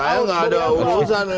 saya tidak ada urusan